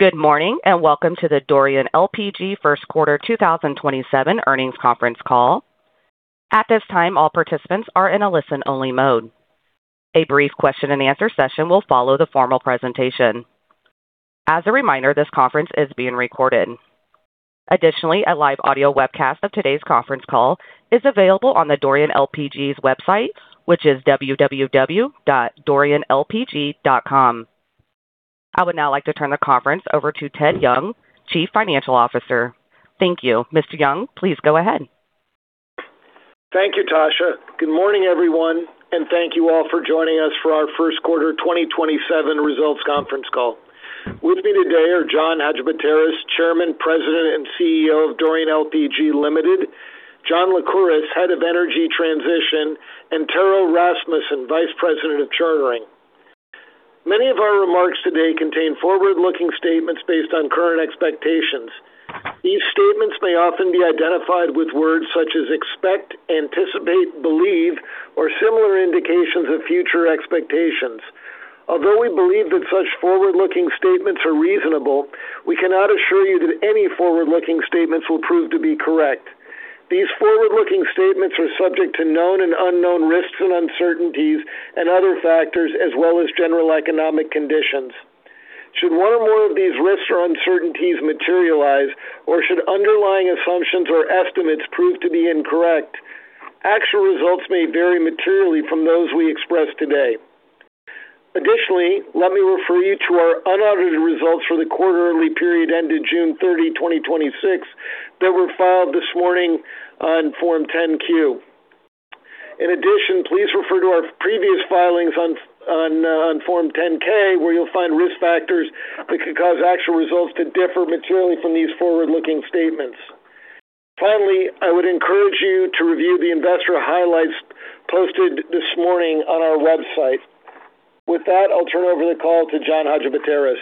Good morning, and welcome to the Dorian LPG First Quarter 2027 Earnings conference call. At this time, all participants are in a listen-only mode. A brief question and answer session will follow the formal presentation. As a reminder, this conference is being recorded. Additionally, a live audio webcast of today's conference call is available on the Dorian LPG's website, which is www.dorianlpg.com. I would now like to turn the conference over to Ted Young, Chief Financial Officer. Thank you. Mr. Young, please go ahead. Thank you, Tasha. Good morning, everyone, and thank you all for joining us for our first quarter 2027 results conference call. With me today are John Hadjipateras, Chairman, President, and CEO of Dorian LPG Ltd., John Lycouris, Head of Energy Transition, and Taro Rasmussen, Vice President of Chartering. Many of our remarks today contain forward-looking statements based on current expectations. These statements may often be identified with words such as expect, anticipate, believe, or similar indications of future expectations. Although we believe that such forward-looking statements are reasonable, we cannot assure you that any forward-looking statements will prove to be correct. These forward-looking statements are subject to known and unknown risks and uncertainties and other factors as well as general economic conditions. Should one or more of these risks or uncertainties materialize, or should underlying assumptions or estimates prove to be incorrect, actual results may vary materially from those we express today. Additionally, let me refer you to our unaudited results for the quarterly period ended June 30, 2026 that were filed this morning on Form 10-Q. In addition, please refer to our previous filings on Form 10-K, where you'll find risk factors that could cause actual results to differ materially from these forward-looking statements. Finally, I would encourage you to review the investor highlights posted this morning on our website. With that, I'll turn over the call to John Hadjipateras.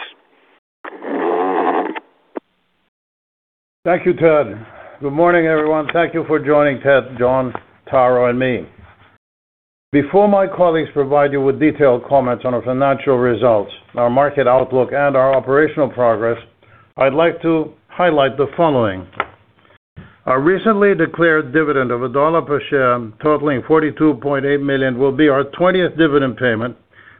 Thank you, Ted. Good morning, everyone. Thank you for joining Ted, John, Taro, and me. Before my colleagues provide you with detailed comments on our financial results, our market outlook, and our operational progress, I'd like to highlight the following. Our recently declared dividend of a dollar per share totaling $42.8 million will be our 20th dividend payment,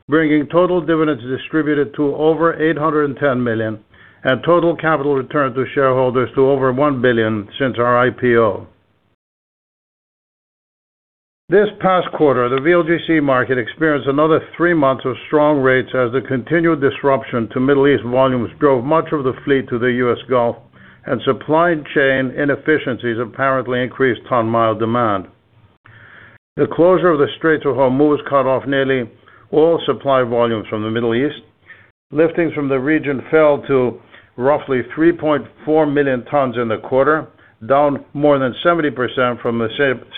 bringing total dividends distributed to over $810 million and total capital return to shareholders to over $1 billion since our IPO. This past quarter, the VLGC market experienced another three months of strong rates as the continued disruption to Middle East volumes drove much of the fleet to the U.S. Gulf and supply chain inefficiencies apparently increased ton mile demand. The closure of the Strait of Hormuz cut off nearly all supply volumes from the Middle East. Liftings from the region fell to roughly 3.4 million tons in the quarter, down more than 70% from the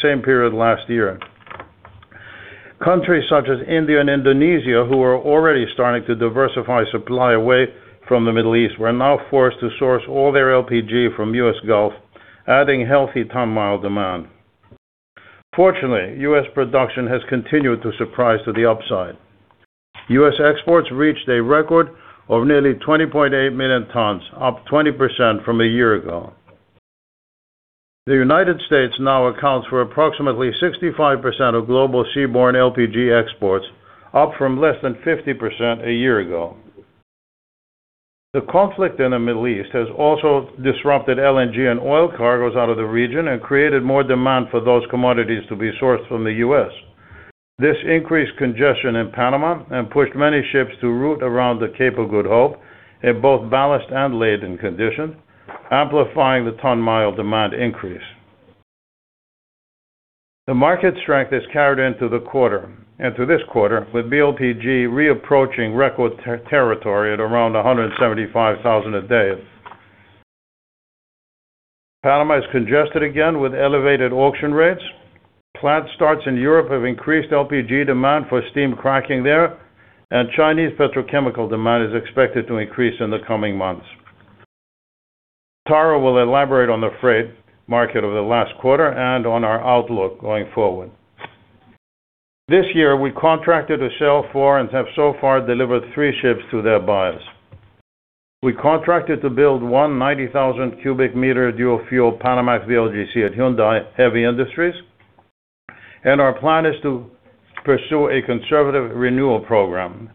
same period last year. Countries such as India and Indonesia, who were already starting to diversify supply away from the Middle East, were now forced to source all their LPG from U.S. Gulf, adding healthy ton mile demand. Fortunately, U.S. production has continued to surprise to the upside. U.S. exports reached a record of nearly 20.8 million tons, up 20% from a year ago. The United States now accounts for approximately 65% of global seaborne LPG exports, up from less than 50% a year ago. The conflict in the Middle East has also disrupted LNG and oil cargoes out of the region and created more demand for those commodities to be sourced from the U.S. This increased congestion in Panama and pushed many ships to route around the Cape of Good Hope in both ballast and laden conditions, amplifying the ton mile demand increase. The market strength has carried into this quarter, with BLPG reapproaching record territory at around $175,000 a day. Panama is congested again with elevated auction rates. Plant starts in Europe have increased LPG demand for steam cracking there, and Chinese petrochemical demand is expected to increase in the coming months. Taro will elaborate on the freight market over the last quarter and on our outlook going forward. This year, we contracted to sell four and have so far delivered three ships to their buyers. We contracted to build one 90,000 cubic-meter Dual-fuel Panamax VLGC at Hyundai Heavy Industries, and our plan is to pursue a conservative renewal program.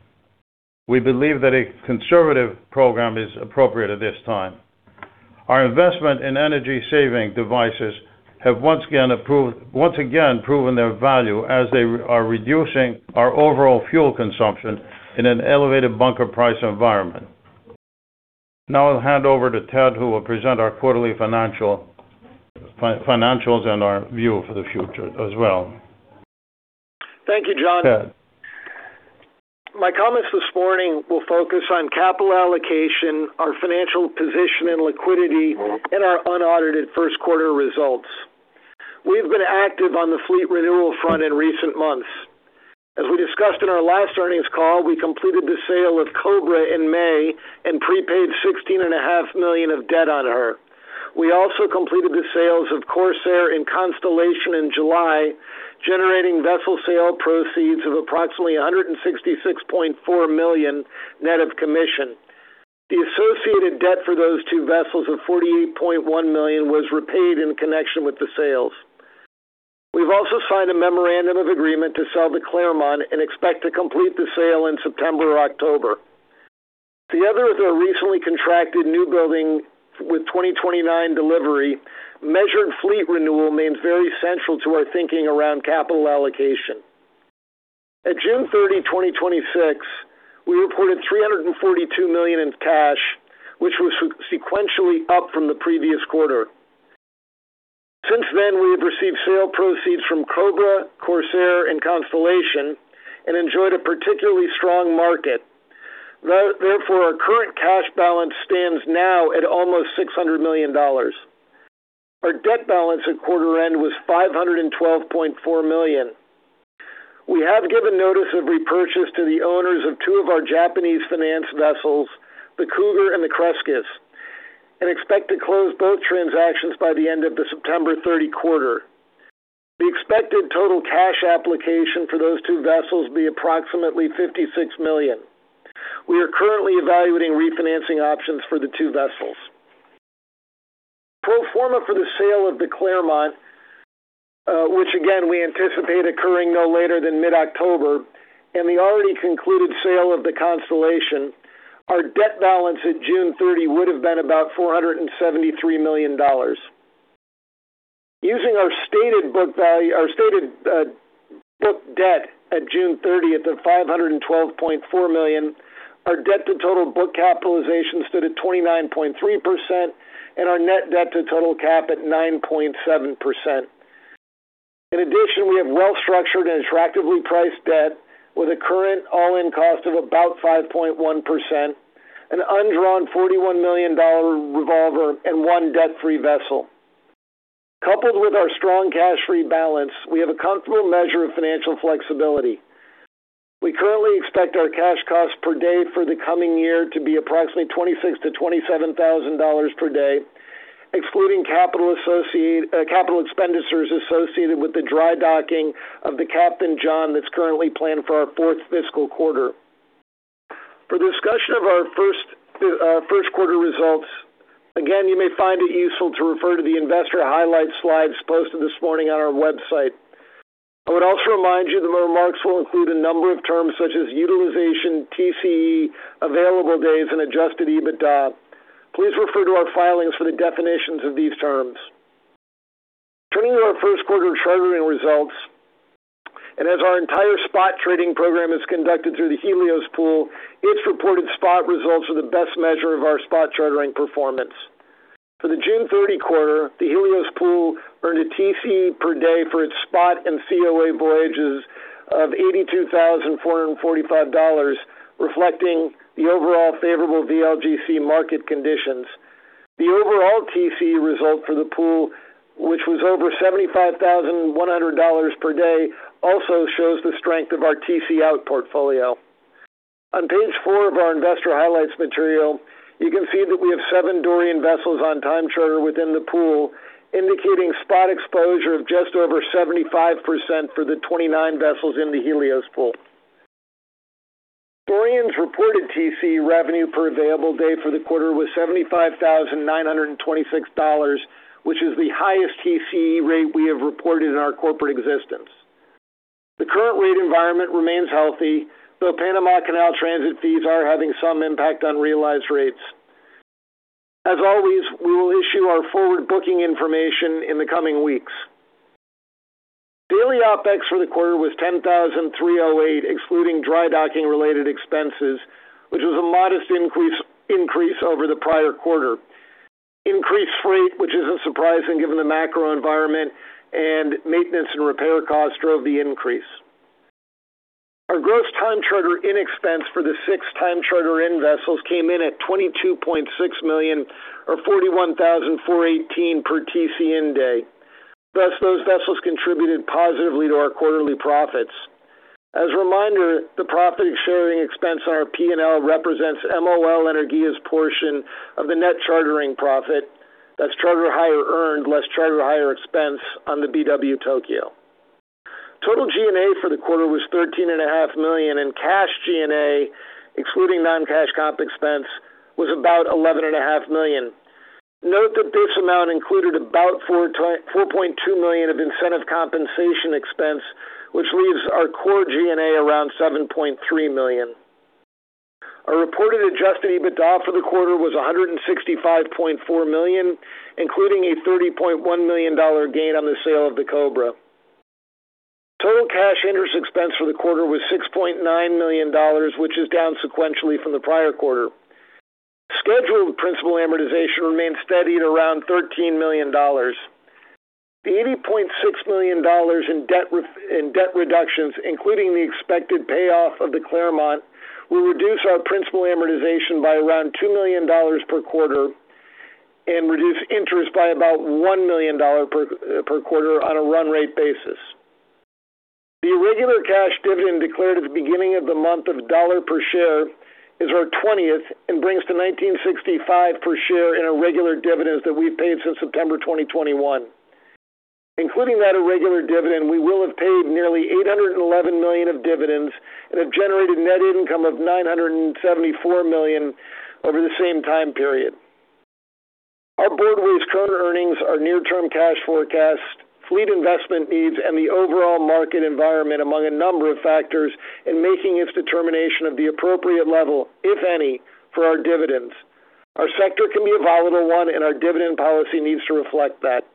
We believe that a conservative program is appropriate at this time. Our investment in energy-saving devices have once again proven their value as they are reducing our overall fuel consumption in an elevated bunker price environment. Now I'll hand over to Ted, who will present our quarterly financials and our view for the future as well. Thank you, John. Ted. My comments this morning will focus on capital allocation, our financial position and liquidity, and our unaudited first quarter results. We've been active on the fleet renewal front in recent months. As we discussed in our last earnings call, we completed the sale of Cobra in May and prepaid $16.5 million of debt on her. We also completed the sales of Corsair and Constellation in July, generating vessel sale proceeds of approximately $166.4 million net of commission. The associated debt for those two vessels of $48.1 million was repaid in connection with the sales. We've also signed a memorandum of agreement to sell the Clermont and expect to complete the sale in September or October. Together with our recently contracted new building with 2029 delivery, measured fleet renewal remains very central to our thinking around capital allocation. At June 30, 2026, we reported $342 million in cash, which was sequentially up from the previous quarter. Since then, we have received sale proceeds from Cobra, Corsair, and Constellation and enjoyed a particularly strong market. Our current cash balance stands now at almost $600 million. Our debt balance at quarter end was $512.4 million. We have given notice of repurchase to the owners of two of our Japanese-financed vessels, the Cougar and the Cresques, and expect to close both transactions by the end of the September 30 quarter. The expected total cash application for those two vessels will be approximately $56 million. We are currently evaluating refinancing options for the two vessels. Pro forma for the sale of the Clermont, which again, we anticipate occurring no later than mid-October, and the already concluded sale of the Constellation, our debt balance at June 30 would have been about $473 million. Using our stated book debt at June 30th of $512.4 million, our debt to total book capitalization stood at 29.3% and our net debt to total cap at 9.7%. We have well-structured and attractively priced debt with a current all-in cost of about 5.1%, an undrawn $41 million revolver, and one debt-free vessel. Coupled with our strong cash rebalance, we have a comfortable measure of financial flexibility. We currently expect our cash cost per day for the coming year to be approximately $26,000 to $27,000 per day, excluding capital expenditures associated with the dry docking of the Captain John that's currently planned for our fourth fiscal quarter. For discussion of our first quarter results, again, you may find it useful to refer to the investor highlight slides posted this morning on our website. I would also remind you that my remarks will include a number of terms such as utilization, TCE, available days, and adjusted EBITDA. Please refer to our filings for the definitions of these terms. Turning to our first quarter chartering results, as our entire spot trading program is conducted through the Helios Pool, its reported spot results are the best measure of our spot chartering performance. For the June 30 quarter, the Helios Pool earned a TCE per day for its spot and COA voyages of $82,445, reflecting the overall favorable VLGC market conditions. The overall TCE result for the pool, which was over $75,100 per day, also shows the strength of our TC out portfolio. On page four of our investor highlights material, you can see that we have seven Dorian vessels on time charter within the pool, indicating spot exposure of just over 75% for the 29 vessels in the Helios Pool. Dorian's reported TCE revenue per available day for the quarter was $75,926, which is the highest TCE rate we have reported in our corporate existence. The current rate environment remains healthy, though Panama Canal transit fees are having some impact on realized rates. As always, we will issue our forward-booking information in the coming weeks. Daily OpEx for the quarter was $10,308, excluding dry docking-related expenses, which was a modest increase over the prior quarter. Increased freight, which isn't surprising given the macro environment, and maintenance and repair costs drove the increase. Our gross time charter in expense for the sixth time charter in vessels came in at $22.6 million, or $41,418 per TC-in day. Thus, those vessels contributed positively to our quarterly profits. As a reminder, the profit-sharing expense on our P&L represents MOL Energia's portion of the net chartering profit. That's charter hire earned less charter hire expense on the BW Tokyo. Total G&A for the quarter was $13.5 million, and cash G&A, excluding non-cash comp expense, was about $11.5 million. Note that this amount included about $4.2 million of incentive compensation expense, which leaves our core G&A around $7.3 million. Our reported adjusted EBITDA for the quarter was $165.4 million, including a $30.1 million gain on the sale of the Cobra. Total cash interest expense for the quarter was $6.9 million, which is down sequentially from the prior quarter. Scheduled principal amortization remains steady at around $13 million. The $80.6 million in debt reductions, including the expected payoff of the Clermont, will reduce our principal amortization by around $2 million per quarter and reduce interest by about $1 million per quarter on a run rate basis. The irregular cash dividend declared at the beginning of the month of $1 per share is our 20th and brings to $19.65 per share in irregular dividends that we've paid since September 2021. Including that irregular dividend, we will have paid nearly $811 million of dividends and have generated net income of $974 million over the same time period. Our board weighs current earnings, our near-term cash forecast, fleet investment needs, and the overall market environment among a number of factors in making its determination of the appropriate level, if any, for our dividends. Our sector can be a volatile one, and our dividend policy needs to reflect that.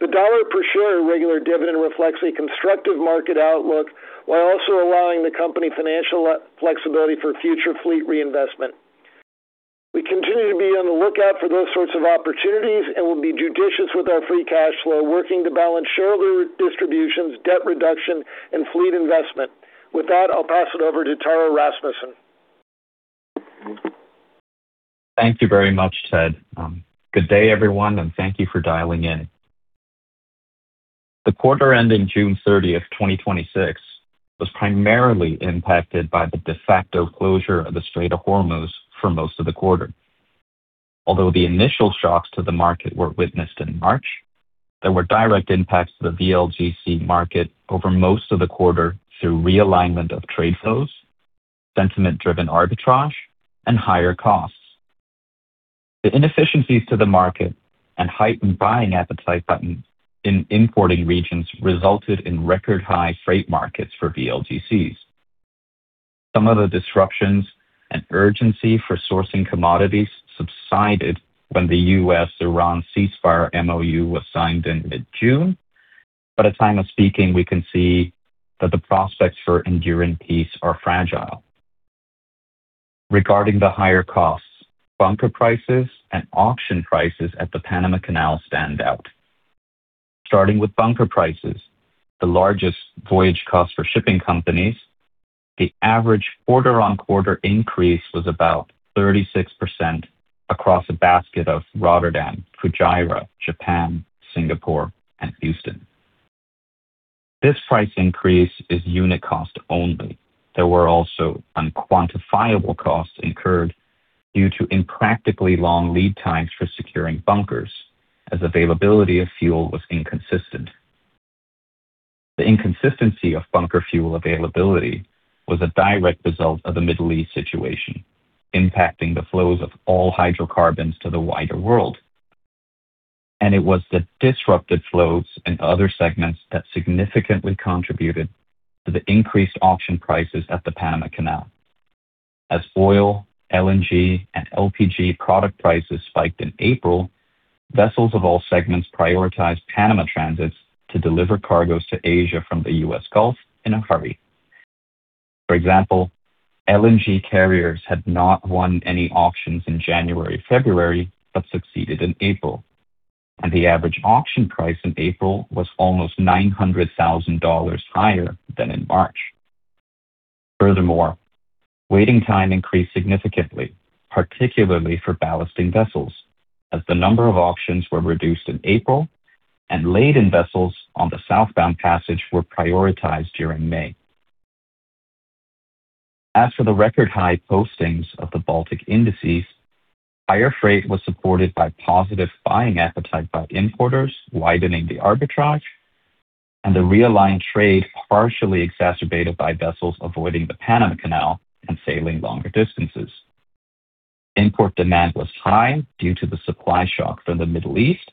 The $1 per share irregular dividend reflects a constructive market outlook while also allowing the company financial flexibility for future fleet reinvestment. We continue to be on the lookout for those sorts of opportunities and will be judicious with our free cash flow, working to balance shareholder distributions, debt reduction, and fleet investment. With that, I'll pass it over to Taro Rasmussen. Thank you very much, Ted. Good day, everyone, and thank you for dialing in. The quarter ending June 30th, 2026 was primarily impacted by the de facto closure of the Strait of Hormuz for most of the quarter. Although the initial shocks to the market were witnessed in March, there were direct impacts to the VLGC market over most of the quarter through realignment of trade flows, sentiment-driven arbitrage, and higher costs. The inefficiencies to the market and heightened buying appetite in importing regions resulted in record-high freight markets for VLGCs. Some of the disruptions and urgency for sourcing commodities subsided when the U.S.-Iran ceasefire MOU was signed in mid-June. At time of speaking, we can see that the prospects for enduring peace are fragile. Regarding the higher costs, bunker prices and auction prices at the Panama Canal stand out. Starting with bunker prices, the largest voyage cost for shipping companies, the average quarter-on-quarter increase was about 36% across a basket of Rotterdam, Fujairah, Japan, Singapore, and Houston. This price increase is unit cost only. There were also unquantifiable costs incurred due to impractically long lead times for securing bunkers, as availability of fuel was inconsistent. The inconsistency of bunker fuel availability was a direct result of the Middle East situation, impacting the flows of all hydrocarbons to the wider world. It was the disrupted flows in other segments that significantly contributed to the increased auction prices at the Panama Canal. As oil, LNG, and LPG product prices spiked in April, vessels of all segments prioritized Panama transits to deliver cargoes to Asia from the U.S. Gulf in a hurry. For example, LNG carriers had not won any auctions in January, February, but succeeded in April, and the average auction price in April was almost $900,000 higher than in March. Furthermore, waiting time increased significantly, particularly for ballasting vessels, as the number of auctions were reduced in April and laden vessels on the southbound passage were prioritized during May. As for the record-high postings of the Baltic indices, higher freight was supported by positive buying appetite by importers, widening the arbitrage, and the realigned trade partially exacerbated by vessels avoiding the Panama Canal and sailing longer distances. Import demand was high due to the supply shock from the Middle East,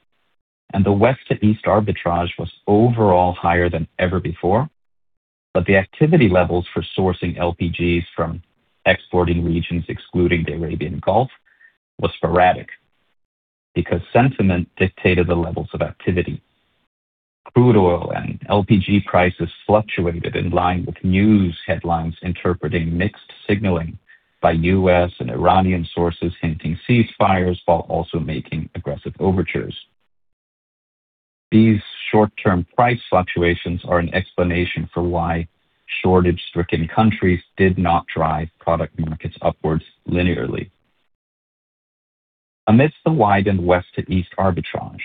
and the West to East arbitrage was overall higher than ever before. The activity levels for sourcing LPGs from exporting regions, excluding the Arabian Gulf, was sporadic because sentiment dictated the levels of activity. Crude oil and LPG prices fluctuated in line with news headlines interpreting mixed signaling by U.S. and Iranian sources hinting ceasefires while also making aggressive overtures. These short-term price fluctuations are an explanation for why shortage-stricken countries did not drive product markets upwards linearly. Amidst the widened West to East arbitrage,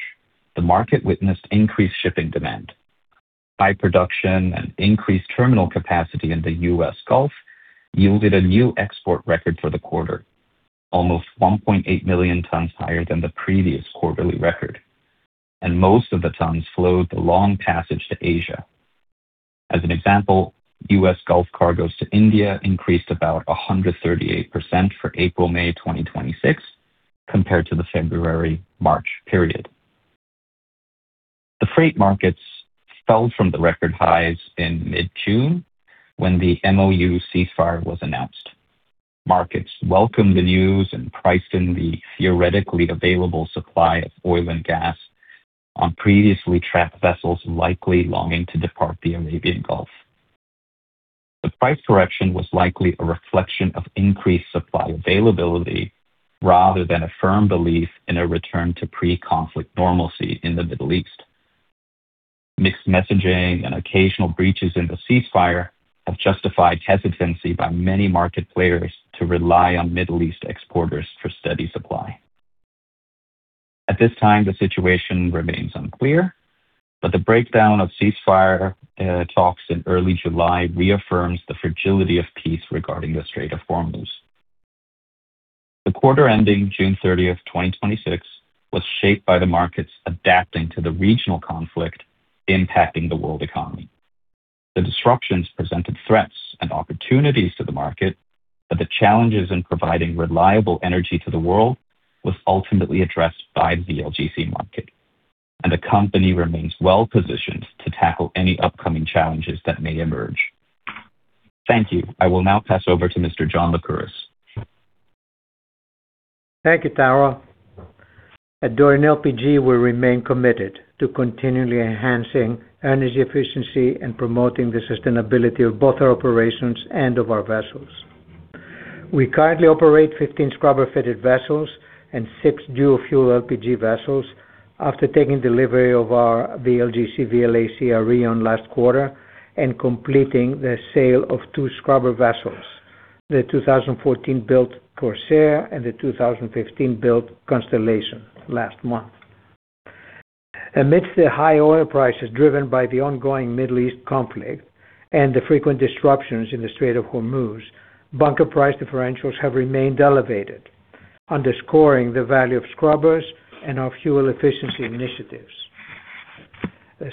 the market witnessed increased shipping demand. High production and increased terminal capacity in the U.S. Gulf yielded a new export record for the quarter, almost 1.8 million tons higher than the previous quarterly record, and most of the tons flowed the long passage to Asia. As an example, U.S. Gulf cargoes to India increased about 138% for April, May 2026 compared to the February-March period. The freight markets fell from the record highs in mid-June when the MOU ceasefire was announced. Markets welcomed the news and priced in the theoretically available supply of oil and gas on previously trapped vessels likely longing to depart the Arabian Gulf. The price correction was likely a reflection of increased supply availability rather than a firm belief in a return to pre-conflict normalcy in the Middle East. Mixed messaging and occasional breaches in the ceasefire have justified hesitancy by many market players to rely on Middle East exporters for steady supply. At this time, the situation remains unclear, but the breakdown of ceasefire talks in early July reaffirms the fragility of peace regarding the Strait of Hormuz. The quarter ending June 30th, 2026, was shaped by the markets adapting to the regional conflict impacting the world economy. The disruptions presented threats and opportunities to the market, but the challenges in providing reliable energy to the world was ultimately addressed by the VLGC market. The company remains well-positioned to tackle any upcoming challenges that may emerge. Thank you. I will now pass over to Mr. John Lycouris. Thank you, Taro. At Dorian LPG, we remain committed to continually enhancing energy efficiency and promoting the sustainability of both our operations and of our vessels. We currently operate 15 scrubber-fitted vessels and six dual-fuel LPG vessels after taking delivery of our VLGC/VLAC Areion last quarter and completing the sale of two scrubber vessels, the 2014-built Corsair and the 2015-built Constellation last month. Amidst the high oil prices driven by the ongoing Middle East conflict and the frequent disruptions in the Strait of Hormuz, bunker price differentials have remained elevated, underscoring the value of scrubbers and our fuel efficiency initiatives.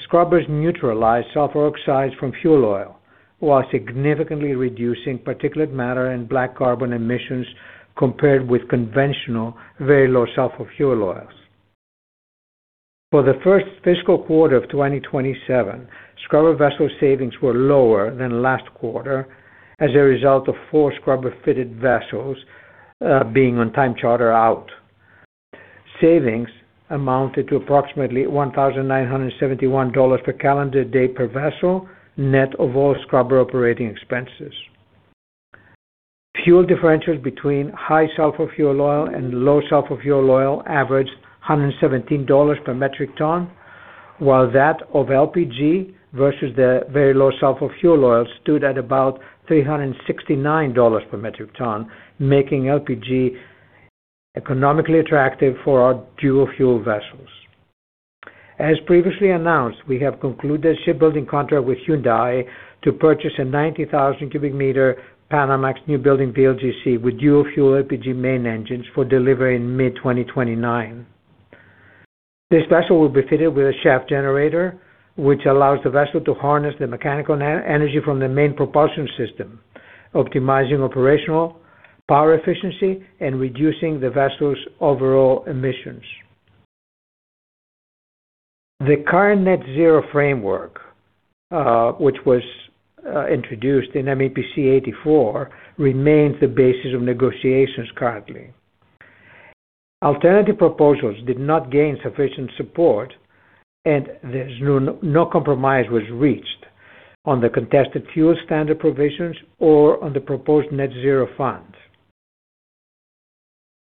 Scrubbers neutralize sulfur oxides from fuel oil while significantly reducing particulate matter and black carbon emissions compared with conventional very low sulfur fuel oils. For the first fiscal quarter of 2027, scrubber vessel savings were lower than last quarter as a result of four scrubber-fitted vessels being on time charter out. Savings amounted to approximately $1,971 per calendar day per vessel, net of all scrubber operating expenses. Fuel differentials between high sulfur fuel oil and low sulfur fuel oil averaged $117 per metric ton, while that of LPG versus the very low sulfur fuel oil stood at about $369 per metric ton, making LPG economically attractive for our dual-fuel vessels. As previously announced, we have concluded a shipbuilding contract with Hyundai to purchase a 90,000 cubic-meter Panamax newbuilding VLGC with dual-fuel LPG main engines for delivery in mid-2029. This vessel will be fitted with a shaft generator, which allows the vessel to harness the mechanical energy from the main propulsion system, optimizing operational power efficiency and reducing the vessel's overall emissions. The current net zero framework, which was introduced in MEPC 84, remains the basis of negotiations currently. Alternative proposals did not gain sufficient support, no compromise was reached on the contested fuel standard provisions or on the proposed net zero funds.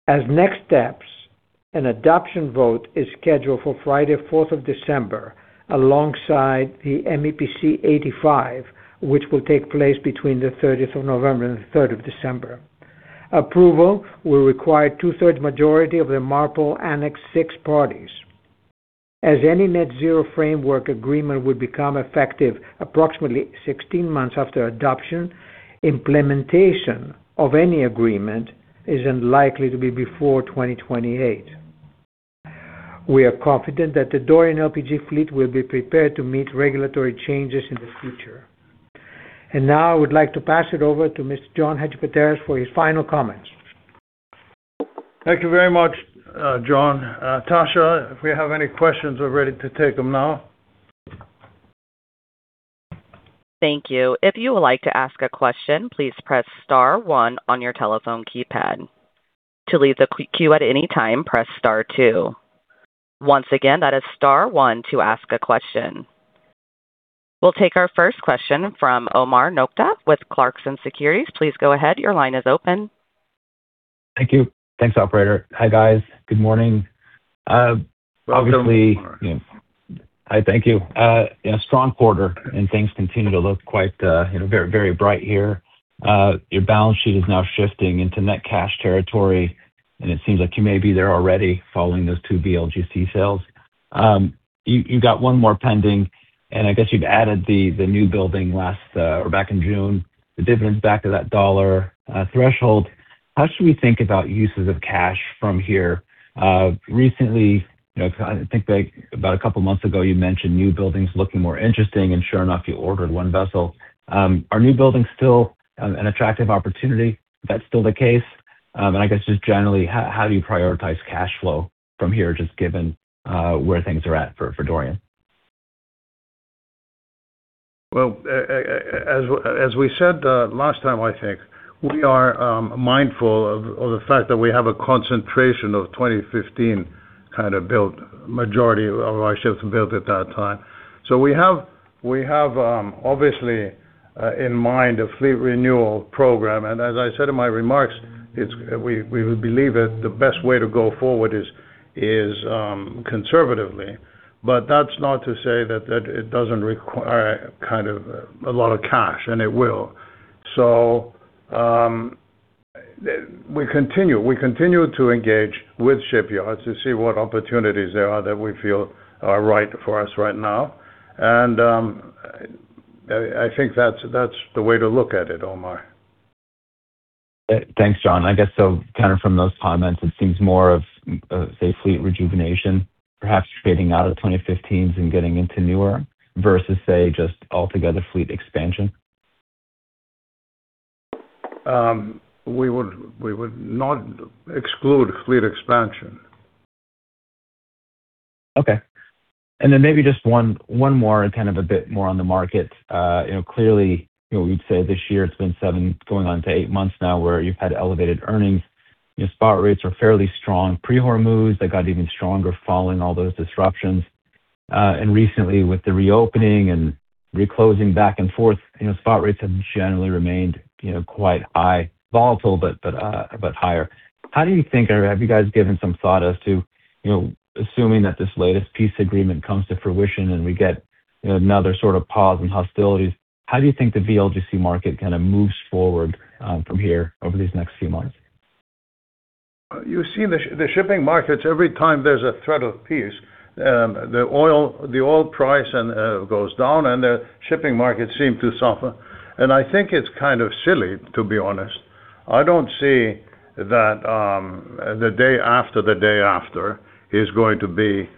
As next steps, an adoption vote is scheduled for Friday, 4th of December, alongside the MEPC 85, which will take place between the 30th of November and the 3rd of December. Approval will require two-thirds majority of the MARPOL Annex VI parties, as any net zero framework agreement would become effective approximately 16 months after adoption. Implementation of any agreement is unlikely to be before 2028. We are confident that the Dorian LPG fleet will be prepared to meet regulatory changes in the future. Now I would like to pass it over to Mr. John Hadjipateras for his final comments. Thank you very much, John. Tasha, if we have any questions, we're ready to take them now. Thank you. If you would like to ask a question, please press star one on your telephone keypad. To leave the queue at any time, press star two. Once again, that is star one to ask a question. We'll take our first question from Omar Nokta with Clarksons Securities. Please go ahead. Your line is open. Thank you. Thanks, operator. Hi, guys. Good morning. Good morning, Omar. Hi. Thank you. A strong quarter. Things continue to look quite very bright here. Your balance sheet is now shifting into net cash territory, and it seems like you may be there already following those two VLGC sales. You've got one more pending. I guess you've added the new building back in June, the dividends back to that dollar threshold. How should we think about uses of cash from here? Recently, I think about a couple of months ago, you mentioned new buildings looking more interesting. Sure enough, you ordered one vessel. Are new buildings still an attractive opportunity? If that's still the case, I guess just generally, how do you prioritize cash flow from here, just given where things are at for Dorian? Well, as we said last time, I think, we are mindful of the fact that we have a concentration of 2015 kind of build, majority of our ships built at that time. We have obviously in mind a fleet renewal program. As I said in my remarks, we believe that the best way to go forward is conservatively. That's not to say that it doesn't require a lot of cash. And it will. We continue to engage with shipyards to see what opportunities there are that we feel are right for us right now. I think that's the way to look at it, Omar. Thanks, John. I guess, kind of from those comments, it seems more of, say, fleet rejuvenation, perhaps fading out of the 2015s and getting into newer versus say, just altogether fleet expansion. We would not exclude fleet expansion. Okay. Then maybe just one more and kind of a bit more on the market. Clearly, we'd say this year it's been seven going on to eight months now where you've had elevated earnings. Spot rates are fairly strong. Pre-Houthi moves that got even stronger following all those disruptions. Recently with the reopening and reclosing back and forth, spot rates have generally remained quite high. Volatile, but higher. How do you think, or have you guys given some thought as to assuming that this latest peace agreement comes to fruition and we get another sort of pause in hostilities, how do you think the VLGC market kind of moves forward from here over these next few months? You see the shipping markets, every time there's a threat of peace, the oil price then goes down, and the shipping markets seem to suffer. I think it's kind of silly, to be honest. I don't see that the day after the day after is going to be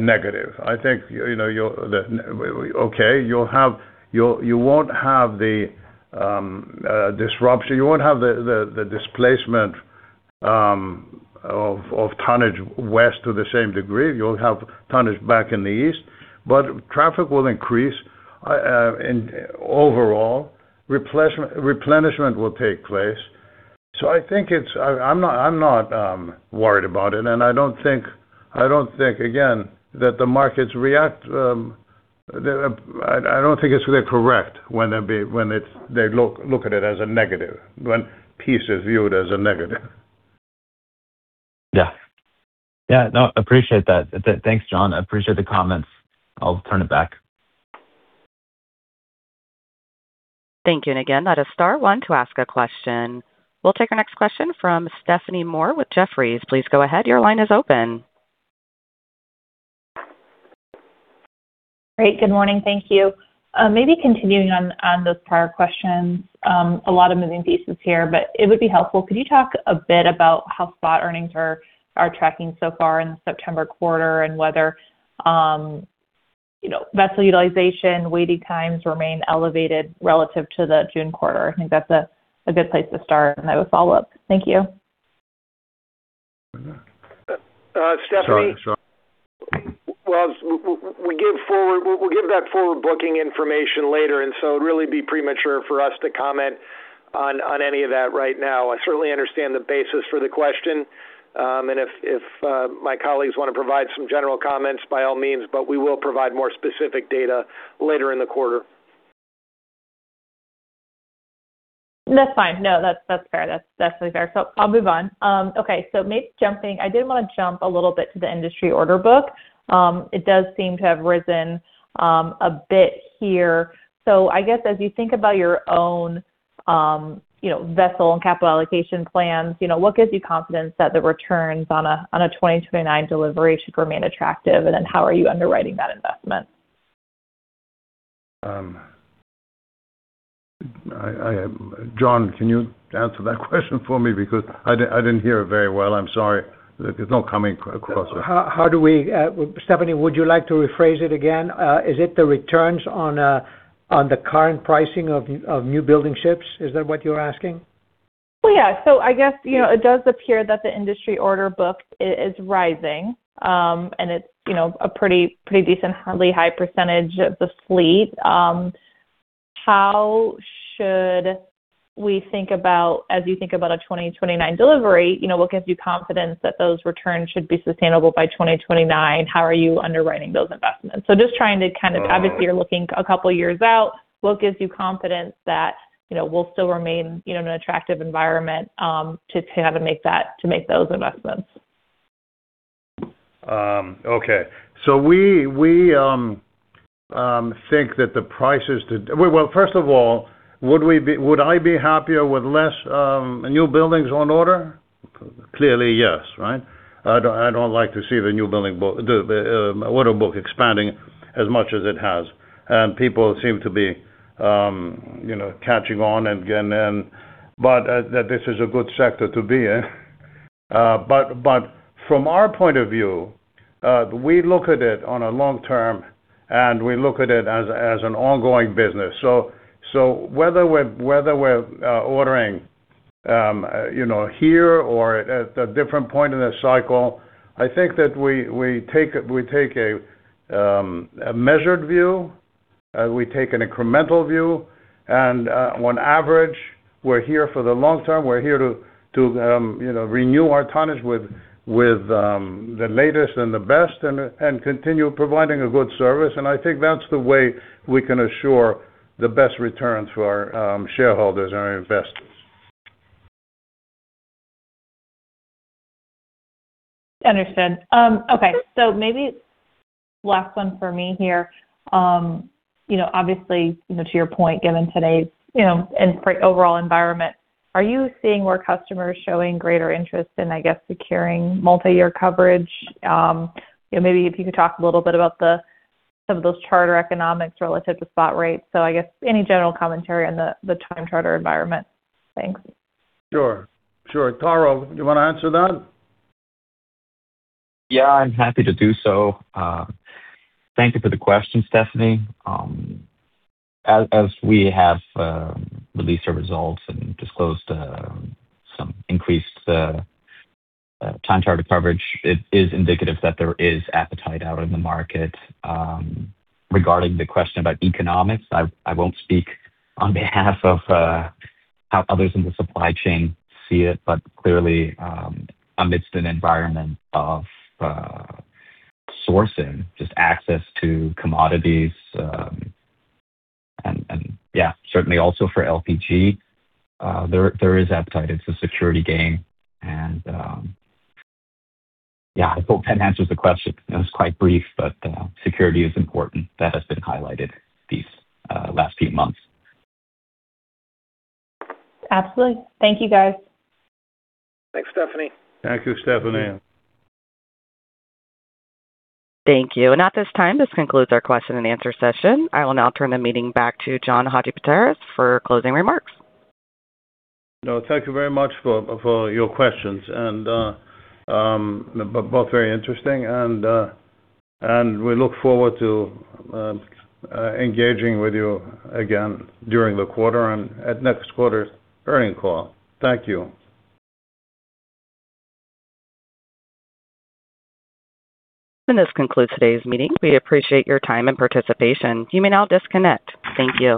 negative. I think, okay, you won't have the disruption, you won't have the displacement of tonnage west to the same degree. You'll have tonnage back in the east. Traffic will increase, and overall replenishment will take place. I'm not worried about it, and I don't think, again, that the markets react I don't think it's really correct when they look at it as a negative, when peace is viewed as a negative. Yeah. No, appreciate that. Thanks, John. I appreciate the comments. I'll turn it back. Thank you. Again, that is star one to ask a question. We'll take our next question from Stephanie Moore with Jefferies. Please go ahead. Your line is open. Great. Good morning. Thank you. Continuing on those prior questions. A lot of moving pieces here. It would be helpful. Could you talk a bit about how spot earnings are tracking so far in the September quarter and whether vessel utilization, waiting times remain elevated relative to the June quarter? I think that's a good place to start. I will follow up. Thank you. Stephanie. Sorry. We'll give that forward booking information later. It'd really be premature for us to comment on any of that right now. I certainly understand the basis for the question. If my colleagues want to provide some general comments, by all means, we will provide more specific data later in the quarter. That's fine. That's fair. That's definitely fair. I'll move on. I did want to jump a little bit to the industry order book. It does seem to have risen a bit here. I guess as you think about your own vessel and capital allocation plans, what gives you confidence that the returns on a 2029 delivery should remain attractive? How are you underwriting that investment? John, can you answer that question for me? Because I didn't hear it very well. I'm sorry. It's not coming across well. Stephanie, would you like to rephrase it again? Is it the returns on the current pricing of new building ships? Is that what you're asking? Well, yeah. I guess, it does appear that the industry order book is rising. It's a pretty decent, fairly high percentage of the fleet. How should we think about, as you think about a 2029 delivery, what gives you confidence that those returns should be sustainable by 2029? How are you underwriting those investments? obviously, you're looking a couple of years out, what gives you confidence that we'll still remain in an attractive environment to kind of make those investments? Okay. We think that the prices to first of all, would I be happier with less new buildings on order? Clearly, yes, right? I don't like to see the new order book expanding as much as it has. People seem to be catching on and getting in. That this is a good sector to be in. From our point of view, we look at it on a long-term, we look at it as an ongoing business. Whether we're ordering here or at a different point in the cycle, I think that we take a measured view, we take an incremental view. On average, we're here for the long term. We're here to renew our tonnage with the latest and the best and continue providing a good service. I think that's the way we can assure the best returns for our shareholders and our investors. Understood. Okay. Maybe last one for me here. Obviously, to your point, given today's overall environment, are you seeing more customers showing greater interest in, I guess, securing multi-year coverage? Maybe if you could talk a little bit about some of those charter economics relative to spot rates. I guess any general commentary on the time charter environment. Thanks. Sure. Taro, do you want to answer that? Yeah, I'm happy to do so. Thank you for the question, Stephanie. As we have released our results and disclosed some increased time charter coverage, it is indicative that there is appetite out in the market. Regarding the question about economics, I won't speak on behalf of how others in the supply chain see it, but clearly amidst an environment of sourcing, just access to commodities, and yeah, certainly also for LPG, there is appetite. It's a security game. Yeah, I hope that answers the question. It was quite brief, but security is important. That has been highlighted these last few months. Absolutely. Thank you, guys. Thanks, Stephanie. Thank you, Stephanie. Thank you. At this time, this concludes our question and answer session. I will now turn the meeting back to John Hadjipateras for closing remarks. No, thank you very much for your questions, both very interesting. We look forward to engaging with you again during the quarter and at next quarter's earning call. Thank you. This concludes today's meeting. We appreciate your time and participation. You may now disconnect. Thank you.